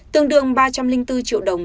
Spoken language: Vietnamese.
tương đương ba trăm linh bốn triệu đồng